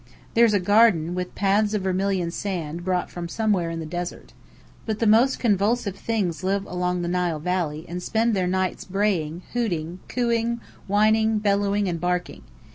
There's a garden, with paths of vermilion sand brought from somewhere in the desert. But the most convulsive things live along the Nile Valley and spend their nights braying, hooting, cooing, whining, bellowing, and barking.